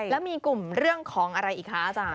แล้วมีกลุ่มเรื่องของอะไรอีกคะอาจารย์